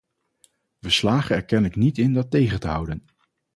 We slagen er kennelijk niet in dat tegen te houden.